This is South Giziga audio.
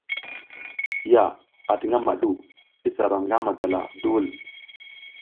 Ya ati ngama du isa ram nga madala duwul.